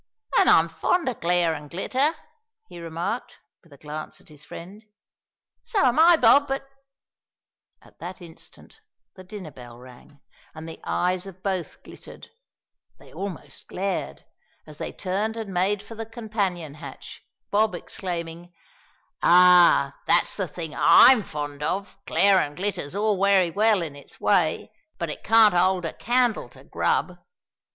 "An' I'm fond of glare an' glitter," he remarked, with a glance at his friend. "So am I, Bob, but " At that instant the dinner bell rang, and the eyes of both glittered they almost glared as they turned and made for the companion hatch, Bob exclaiming, "Ah, that's the thing that I'm fond of; glare an' glitter's all wery well in its way, but it can't 'old a candle to grub!"